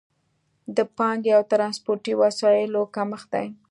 د پانګې او ترانسپورتي وسایلو کمښت دی.